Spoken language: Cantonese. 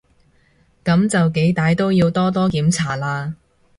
噉就幾歹都要多多檢查啦